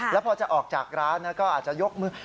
แล้วพอจะออกจากร้านก็อาจจะยกมือ